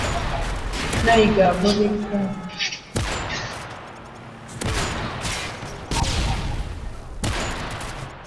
Nnayiga agoba eggaali.